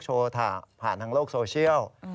ผ่านทางโลกโซเชียล